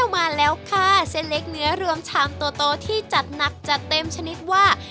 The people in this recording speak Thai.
มาแล้วค่ะเส้นเล็กเนื้อรวมชามโตที่จัดหนักจัดเต็มชนิดว่า